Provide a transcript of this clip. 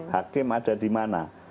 hakim ada di mana